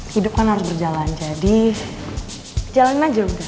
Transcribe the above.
hidup kan harus berjalan jadi jalanin aja udah